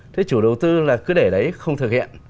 thế chủ đầu tư là cứ để đấy không thực hiện